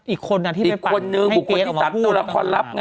อีกคนน่ะที่ไปปั่นให้เกรสออกมาพูด